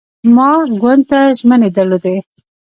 ما ګوند ته ژمنې درلودې.